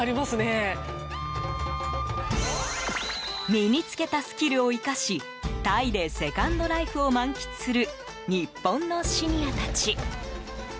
身に付けたスキルを生かしタイでセカンドライフを満喫する日本のシニアたち。